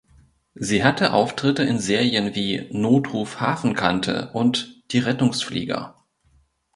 Sie hatte Auftritte in Serien wie "Notruf Hafenkante" und "Die Rettungsflieger".